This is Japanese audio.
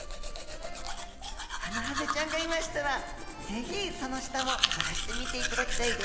ハナハゼちゃんがいましたらぜひその下も探してみていただきたいです。